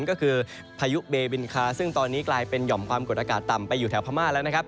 ก็คือพายุเบบินคาซึ่งตอนนี้กลายเป็นหย่อมความกดอากาศต่ำไปอยู่แถวพม่าแล้วนะครับ